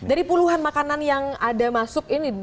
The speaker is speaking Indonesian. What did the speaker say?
dari puluhan makanan yang ada masuk ini